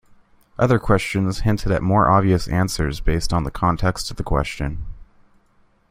Other questions hinted at more obvious answers based on the context of the question.